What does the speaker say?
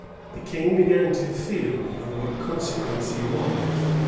The king began to feel of what consequence he was.